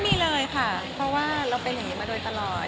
ไม่มีเลยค่ะเพราะว่าเราเป็นอย่างนี้มาโดยตลอด